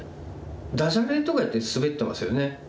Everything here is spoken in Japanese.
ダジャレとか言ってスベってますよね。